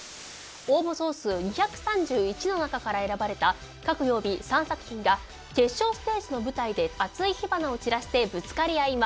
応募総数２３１の中から選ばれた各曜日３作品が決勝ステージの舞台で熱い火花を散らしてぶつかり合います。